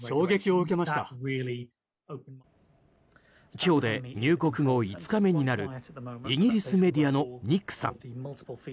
今日で入国後５日目になるイギリスメディアのニックさん。